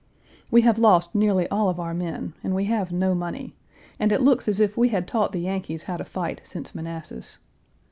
We have lost nearly all of our men, and we have no money, and it looks as if we had taught the Yankees how to fight since Manassas.